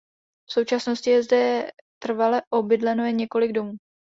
V současnosti je zde trvale obydleno jen několik domů.